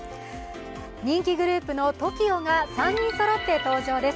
人気グループのＴＯＫＩＯが３人そろって登場です。